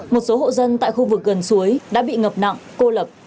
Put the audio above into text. một số hộ dân tại khu vực gần suối đã bị ngập nặng cô lập